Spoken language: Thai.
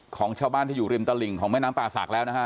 ของชาวบ้านที่อยู่ริมตลิ่งของแม่น้ำป่าศักดิ์แล้วนะฮะ